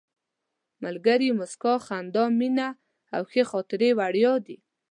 ملګري، موسکا، خندا، مینه او ښې خاطرې وړیا دي.